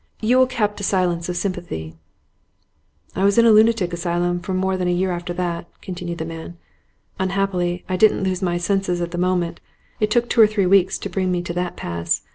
Yule kept the silence of sympathy. 'I was in a lunatic asylum for more than a year after that,' continued the man. 'Unhappily, I didn't lose my senses at the moment; it took two or three weeks to bring me to that pass.